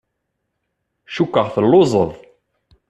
Cukkeɣ telluẓeḍ.